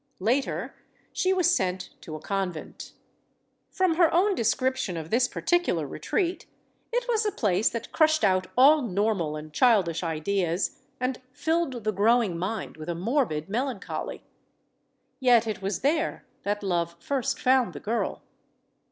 Later, she was sent to a convent. From her own description of this particular retreat, it was a place that crushed out all normal and childish ideas and filled the growing mind with a morbid melancholy. Yet it was there that love first found the girl.